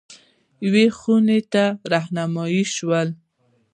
یوې خونې ته رهنمايي شول.